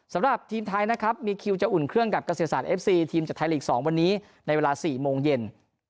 สำหรับทีมไทยนะครับมีคิวจะอุ่นเครื่องกับเกษตรศาสเอฟซีทีมจากไทยลีก๒วันนี้ในเวลา๔โมงเย็น